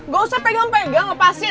gak usah pegang pegang lepasin